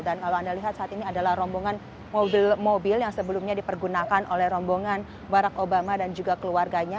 dan kalau anda lihat saat ini adalah rombongan mobil mobil yang sebelumnya dipergunakan oleh rombongan barack obama dan juga keluarganya